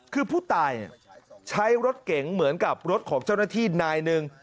คือผู้ตายใช้รถเก๋งเหมือนกับรถของเจ้าหน้าที่นายหนึ่ง